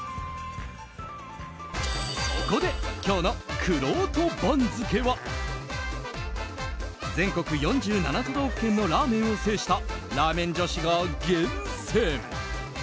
そこで、今日のくろうと番付は全国４７都道府県のラーメンを制したラーメン女子が厳選。